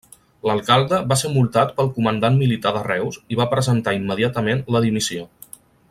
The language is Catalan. L'alcalde va ser multat pel comandant militar de Reus i va presentar immediatament la dimissió.